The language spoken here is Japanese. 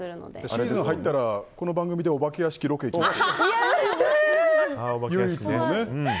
シーズンに入ったらこの番組でお化け屋敷ロケ行きましょうよ。